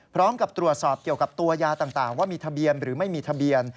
พร้อมกับตรวจสอบเกี่ยวกับตัวยาต่างว่ามีทะเบียนหรือไม่มีทะเบียน